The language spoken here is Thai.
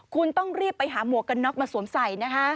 คุณต้องรีบไปหาหมวกกันน็อกมาสวมใส่นะคะ